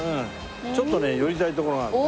ちょっとね寄りたい所があるんで。